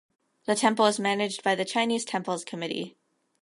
The temple is managed by the Chinese Temples Committee.